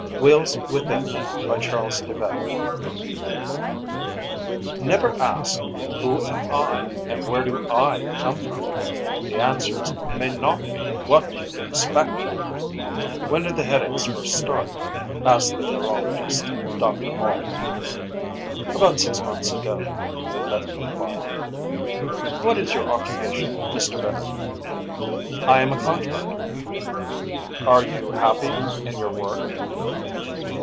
Wheels Within By CHARLES DE VET Never ask "Who am I and where do I come from?" The answers may not be what you'd expect! Illustrated by DON SIBLEY "When did the headaches first start?" asked the neurologist, Dr. Hall. "About six months ago," Bennett replied. "What is your occupation, Mr. Bennett?" "I am a contractor." "Are you happy in your work?"